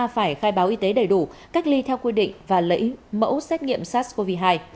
phải khai báo y tế đầy đủ cách ly theo quy định và lấy mẫu xét nghiệm sars cov hai